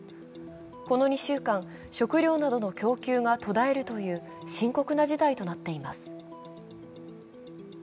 この２週間、食料などの供給が途絶えるという深刻な事態となっています。